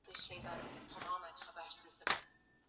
Kuvimba kwa tezi ni dalili ya ugonjwa wa ndorobo kwa mnyama